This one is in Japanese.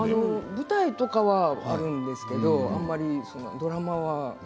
舞台とかはあるんですけれどもあまりドラマは。